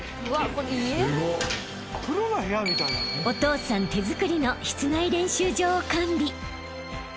［お父さん手作りの室内練習場を完備］